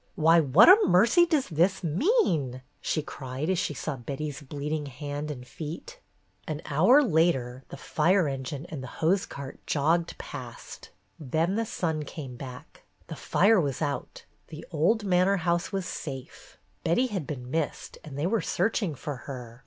Why, what a mercy does this mean ?" she cried, as she saw Betty's bleeding hand and feet. An hour later the fire engine and the hose cart jogged past; then the son came back. 140 BETTY BAIRD'S GOLDEN YEAR The fire was out, the old manor house was safe. Betty had been missed, and they were searching for her.